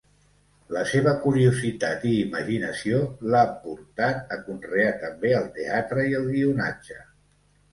La seva curiositat i imaginació l'ha portat a conrear també el teatre i el guionatge.